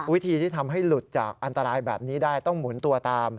วิธีที่ทำให้หลุดจากอันตรายแบบนี้ได้ต้องหมุนตัวตาม